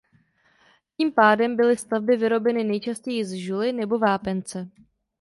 Tím pádem byly stavby vyrobeny nejčastěji z žuly nebo vápence.